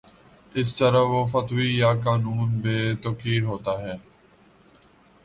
اس طرح وہ فتویٰ یا قانون بے توقیر ہوتا ہے